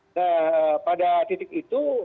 nah pada titik itu